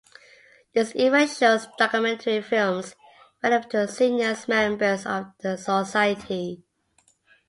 This event shows documentary films relevant to seniors members of the society.